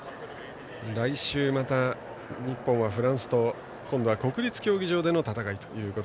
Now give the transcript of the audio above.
来週また日本はフランスと今度は国立競技場での戦いです。